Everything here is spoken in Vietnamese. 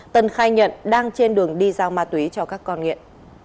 tân khai nhận đang trên đường đi giao ma túy cho các con nghiện